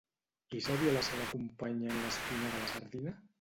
Qui seria la seva companya en L'Espina de la Sardina?